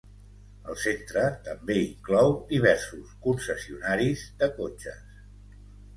El centre també inclou diversos concessionaris de cotxes.